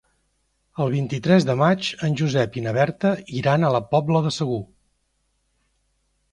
El vint-i-tres de maig en Josep i na Berta iran a la Pobla de Segur.